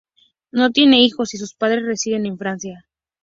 No tiene hijos y sus padres residen en Francia.